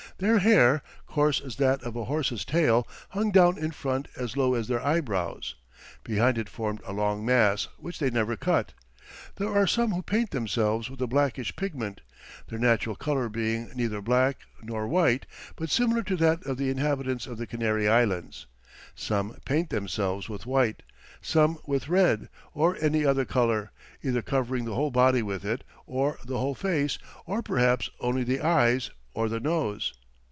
Their hair, coarse as that of a horse's tail, hung down in front as low as their eyebrows, behind it formed a long mass, which they never cut. There are some who paint themselves with a blackish pigment; their natural colour being neither black nor white, but similar to that of the inhabitants of the Canary islands; some paint themselves with white, some with red, or any other colour, either covering the whole body with it, or the whole face, or perhaps only the eyes, or the nose.